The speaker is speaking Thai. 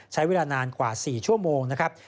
ใช้เวลานานกว่า๔ชั่วโมงนะครับ